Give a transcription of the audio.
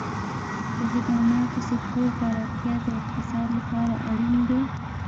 د خدماتو سکتور پراختیا د اقتصاد لپاره اړین دی.